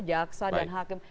jaksa dan hakim